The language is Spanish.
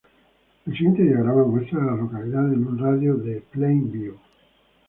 El siguiente diagrama muestra a las localidades en un radio de de Plain View.